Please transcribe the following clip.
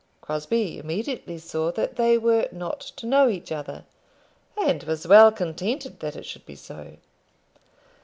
Crosbie immediately saw that they were not to know each other, and was well contented that it should be so.